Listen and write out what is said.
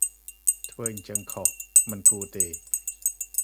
ធ្វើអញ្ចឹងខុស មិនគួរទេ ។